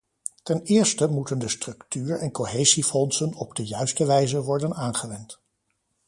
Ten eerste moeten de structuur- en cohesiefondsen op de juiste wijze worden aangewend.